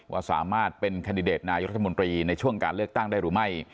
ว่าสามารถเป็นแคนดิเดตนายกรัฐมนตรีในช่วงการเลือกตั้งได้หรือไม่